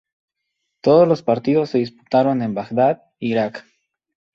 Todos los partidos se disputaron en Bagdad, Irak.